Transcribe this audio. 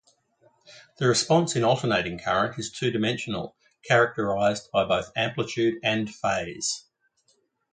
The response in alternating current is two-dimensional, characterized by both amplitude and phase.